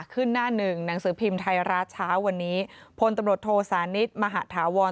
หน้าหนึ่งหนังสือพิมพ์ไทยรัฐเช้าวันนี้พลตำรวจโทสานิทมหาธาวร